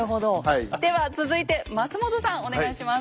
では続いて松本さんお願いします。